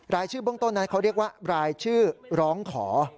รายชื่อเบื้องต้นนั้นเขาเรียกว่ารายชื่อร้องขอ